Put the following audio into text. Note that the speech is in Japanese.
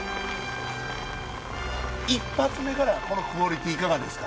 一発目からこのクオリティーいかがですか？